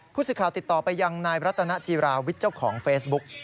ผู้สื่อข่าวติดต่อไปยังนายรัตนจีราวิทย์เจ้าของเฟซบุ๊ก